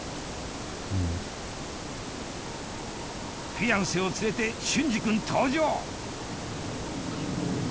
フィアンセを連れて隼司君登場！